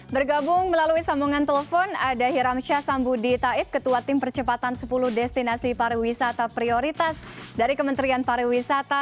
bergabung melalui sambungan telepon ada hiramsyah sambudi taib ketua tim percepatan sepuluh destinasi pariwisata prioritas dari kementerian pariwisata